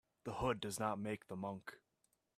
The hood does not make the monk.